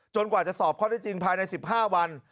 กว่าจะสอบข้อได้จริงภายใน๑๕วัน